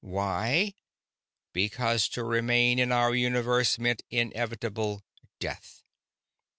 Why? Because to remain in our universe meant inevitable death.